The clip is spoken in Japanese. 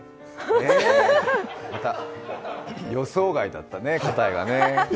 え、予想外だったね、答えがね。